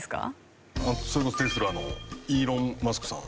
それこそテスラのイーロン・マスクさん。